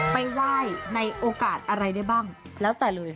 ไปว่ายในโอกาสอะไรได้บ้างแล้วแต่หน่วย